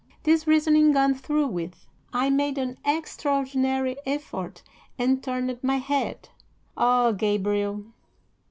"'This reasoning gone through with, I made an extraordinary effort and turned my head. Ah, Gabriel!